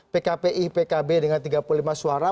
pkpi pkb dengan tiga puluh lima suara